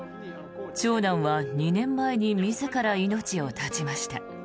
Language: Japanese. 長男は２年前に自ら命を絶ちました。